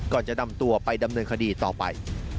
ก่อนจะนำตัวไปดำเนินคดีต่อไป